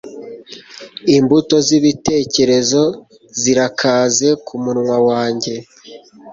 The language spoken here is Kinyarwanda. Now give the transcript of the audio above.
imbuto zibitekerezo zirakaze kumunwa wanjye